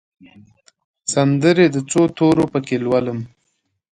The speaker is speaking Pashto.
سندرې د څو تورو پکښې لولم